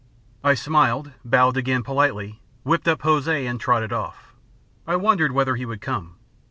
I smiled, bowed again politely, whipped up Hosea and trotted off. I wondered whether he would come.